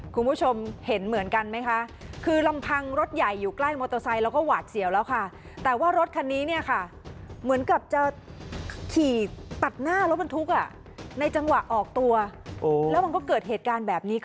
คุณผู้ชมเห็นเหมือนกันไหมคะคือลำพังรถใหญ่อยู่ใกล้มอเตอร์ไซค์แล้วก็หวาดเสียวแล้วค่ะแต่ว่ารถคันนี้เนี่ยค่ะเหมือนกับจะขี่ตัดหน้ารถบรรทุกในจังหวะออกตัวแล้วมันก็เกิดเหตุการณ์แบบนี้ขึ้น